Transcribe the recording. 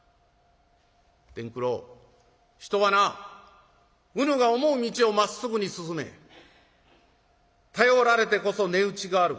「伝九郎人はなうぬが思う道をまっすぐに進め。頼られてこそ値打ちがある。